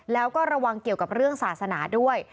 แล้วก็ระวังเกี่ยวกับเรื่องศาสนาด้วย